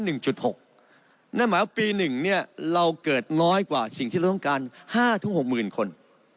นั่นหมายปี๑เราเกิดน้อยกว่าสิ่งที่เราต้องการ๕๖๐๐๐คน